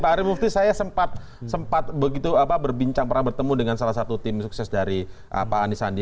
pak ari mufti saya sempat begitu berbincang pernah bertemu dengan salah satu tim sukses dari pak anies sandi